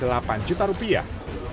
pengembangan online delapan juta rupiah